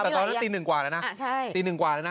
ตอนนั้นตี๑กว่าแล้วนะ